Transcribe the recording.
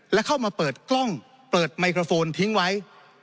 และเข้ามาเปิดกล้องเปิดไมโครโฟนทิ้งไว้